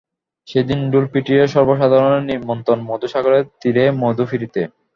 সেদিন ঢোল পিটিয়ে সর্বসাধারণের নিমন্ত্রণ মধুসাগরের তীরে মধুপুরীতে।